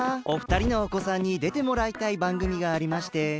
お二人のおこさんにでてもらいたいばんぐみがありまして。